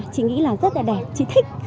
chị nghĩ là rất là đẹp chị thích